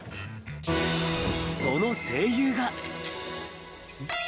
その声優が。